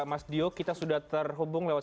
mas dio kita sudah terhubung lewat